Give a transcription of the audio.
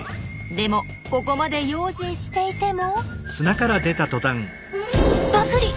でもここまで用心していてもバクリ！